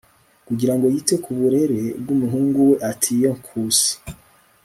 kugira ngo yite ku burere bw'umuhungu we antiyokusi